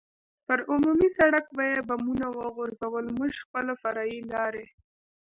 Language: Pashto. پر عمومي سړک به یې بمونه وغورځول، موږ خپله فرعي لارې.